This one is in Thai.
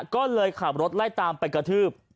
ก็เลยขับรถไล่ตามไปกระทืบ